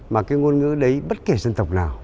mà cái ngôn ngữ đấy bất kể dân tộc nào